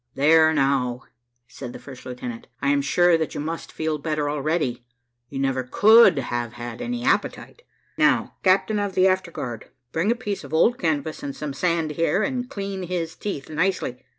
"There now," said the first lieutenant, "I am sure that you must feel better already; you never could have had any appetite. Now, captain of the afterguard, bring a piece of old canvas and some sand here, and clean his teeth nicely."